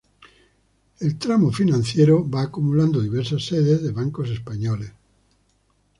El "tramo financiero" va acumulando diversas sedes de bancos españoles.